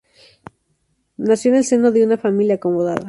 Nació en el seno de en una familia acomodada.